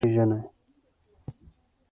تاسو باید په ژوند کې خپلې موخې وپېژنئ.